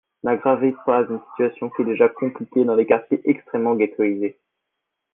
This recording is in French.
N’aggravez pas une situation qui est déjà compliquée dans des quartiers extrêmement ghettoïsés